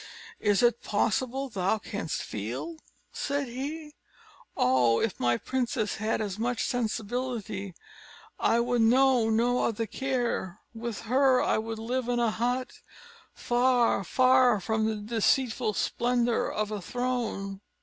"Is it possible thou canst feel?" said he. "Oh, if my princess had but as much sensibility, I would know no other care! With her I would live in a hut, far, far from the deceitful splendour of a throne."